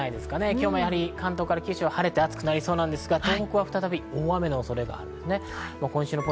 今日も関東から九州は晴れて暑くなりそうですが、東北は雨の恐れがあります。